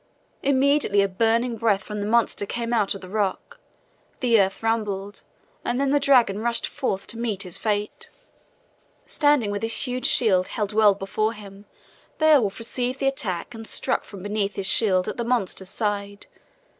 Immediately a burning breath from the monster came out of the rock, the earth rumbled and then the dragon rushed forth to meet his fate. Standing with his huge shield held well before him, Beowulf received the attack and struck from beneath his shield at the monster's side.